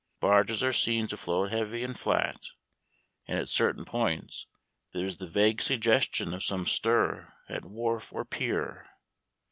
Barges are seen to float heavy and flat, and at certain points there is the vague suggestion of some stir at wharf or pier.